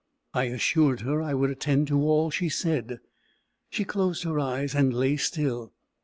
I assured her I would attend to all she said. She closed her eyes, and lay still.